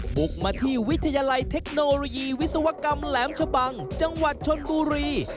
บุกมาที่วิทยาลัยเทคโนโลยีวิศวกรรมแหลมชะบังจังหวัดชนบุรี